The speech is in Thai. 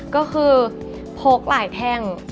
ก็คือพกหลายแท่ง